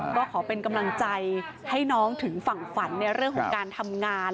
ก็ขอเป็นกำลังใจให้น้องถึงฝั่งฝันในเรื่องของการทำงาน